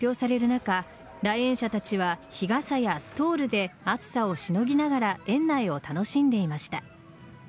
中来園者たちは、日傘やストールで暑さをしのぎながら園内を楽しんでいました。